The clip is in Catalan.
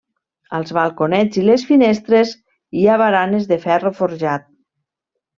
Als balconets i a les finestres hi ha baranes de ferro forjat.